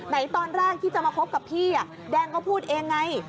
ตอนแรกที่จะมาคบกับพี่แดงก็พูดเองไง